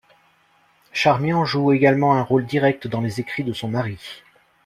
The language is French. Charmian joue également un rôle direct dans les écrits de son mari.